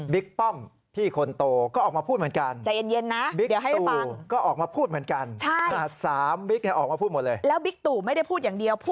ป้อมพี่คนโตก็ออกมาพูดเหมือนกัน